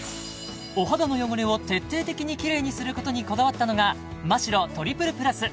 お肌の汚れを徹底的にキレイにすることにこだわったのがマ・シロトリプルプラス